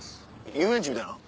遊園地みたいな。